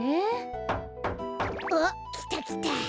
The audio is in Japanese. あっきたきた。